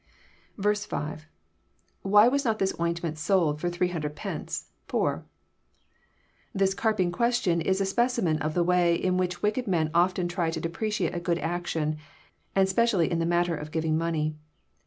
5. —[ Why was not this ointmerU sold for three hundred pence.^poorf] This carping question is a specimen of the way in which wicked men often try to depreciate a good action, and specially in the matter of giving money.